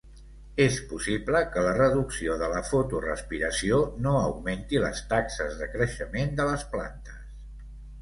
És possible que la reducció de la fotorespiració no augmenti les taxes de creixement de les plantes.